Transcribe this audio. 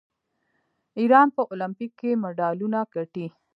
ایران په المپیک کې مډالونه ګټي.